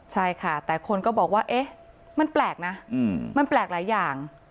ใช่ค่ะแต่คนก็บอกว่าเอ๊ะมันแปลกนะมันแปลกหลายอย่าง